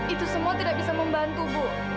itu semua tidak bisa membantu bu